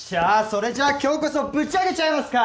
それじゃ今日こそぶち上げちゃいますか！？